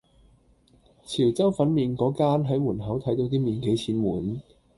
潮州粉麵果間係門口睇到啲麵幾錢碗